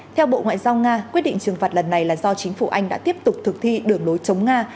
theo bộ ngoại giao nga quyết định trừng phạt lần này là do chính phủ anh đã tiếp tục thực thi đường lối chống nga